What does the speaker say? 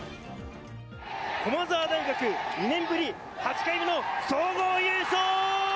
駒澤大学、２年ぶり８回目の総合優勝！